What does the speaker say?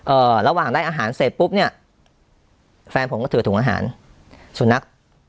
ระหว่างได้อาหารเสร็จปุ๊บเนี้ยแฟนผมก็ถือถุงอาหารสุนัข